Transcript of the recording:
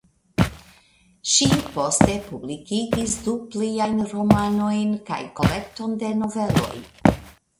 Ŝi poste publikigis du pliajn romanojn kaj kolekton de noveloj.